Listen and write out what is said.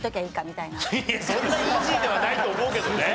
いやそんなイージーではないと思うけどね。